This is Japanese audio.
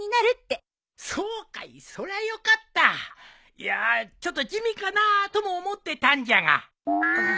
いやあちょっと地味かなあとも思ってたんじゃが。